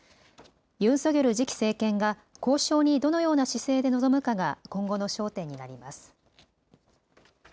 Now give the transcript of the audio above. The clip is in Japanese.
ユン・ソギョル次期政権が交渉にどのような姿勢で臨むかが今後の焦点になります。